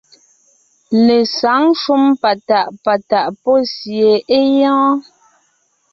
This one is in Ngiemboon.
Lesǎŋ shúm patàʼ patàʼ pɔ́ sie é gyɔ́ɔn.